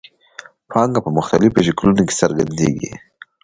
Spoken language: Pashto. پانګه په مختلفو شکلونو کې څرګندېږي